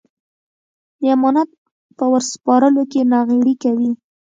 د امانت په ور سپارلو کې ناغېړي کوي.